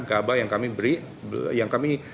gabah yang kami